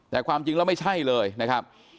แต่ความจริงแล้วไม่ใช่เลยนะครับ